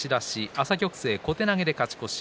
朝玉勢、小手投げで勝ち越し。